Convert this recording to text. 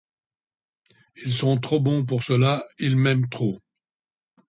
Ils sont trop bons pour cela, ils m'aiment trop !